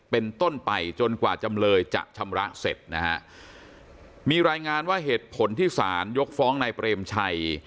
เป็นต้นไปจนกว่าจำเลยจะชำระเสร็จนะฮะมีรายงานว่าเหตุผลที่สารยกฟ้องนายเปรมชัย